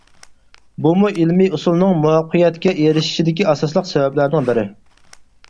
بۇمۇ ئىلمىي ئۇسۇلنىڭ مۇۋەپپەقىيەتكە ئېرىشىشىدىكى ئاساسلىق سەۋەبلەرنىڭ بىرى.